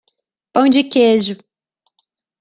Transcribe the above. Pão de queijo.